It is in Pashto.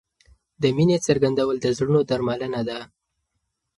د مینې څرګندول د زړونو درملنه ده.